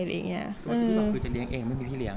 คุณต้องคิดว่าจะเลี้ยงเองไม่มีพี่เลี้ยง